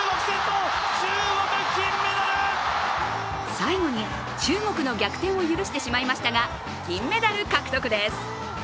最後に中国の逆転を許してしまいましたが銀メダル獲得です。